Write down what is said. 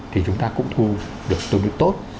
thì chúng ta cũng thu được tốt